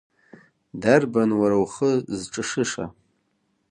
Дарбан уа ухы зҿышыша?